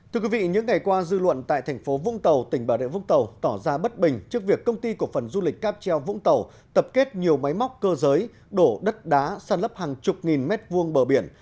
thưa quý vị những ngày qua dư luận tại tp vũng tàu tỉnh bà rịa vũng tàu tỏ ra bất bình trước việc công ty của phần du lịch capgeo vũng tàu tập kết nhiều máy móc cơ giới đổ đất đá sàn lấp hàng chục nghìn mét vuông bờ biển